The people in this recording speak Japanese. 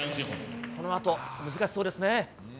このあと難しそうですね。